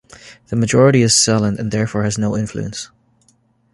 The majority is silent and therefore has no influence.